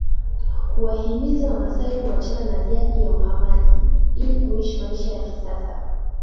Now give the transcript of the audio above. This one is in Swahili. kuwahimiza Wamasai kuachana na jadi ya uhamaji ili kuishi maisha ya kisasa